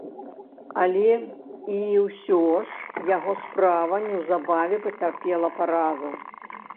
Але і ўсё ж, яго справа неўзабаве пацярпела паразу.